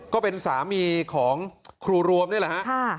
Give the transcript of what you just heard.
ก็เป็นสามีของครูรวมนี่แหละฮะ